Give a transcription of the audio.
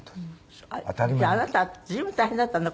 じゃああなた随分大変だったのね。